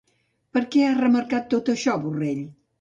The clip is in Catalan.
Per què ha remarcat tot això Borrell?